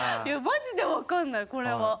いやマジで分かんないこれは。